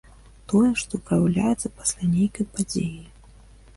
Тое, што праяўляецца пасля нейкай падзеі.